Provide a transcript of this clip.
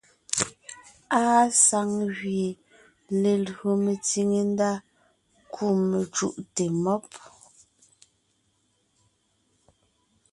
Àa saŋ gẅie lelÿò metsìŋe ndá kú mecùʼte mɔ́b.